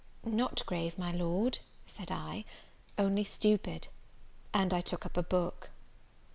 "Not grave, my Lord," said I, "only stupid;" and I took up a book.